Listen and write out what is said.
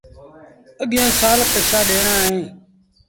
اَڳيٚن سآل پئيٚسآ ڏيڻآ اهيݩ۔